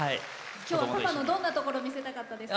今日は、どんなところを見せたかったですか？